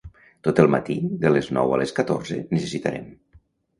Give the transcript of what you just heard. Tot el matí, de les nou a les catorze necessitarem.